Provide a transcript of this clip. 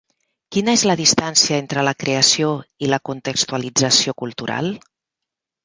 ¿Quina és la distància entre la creació i la contextualització cultural?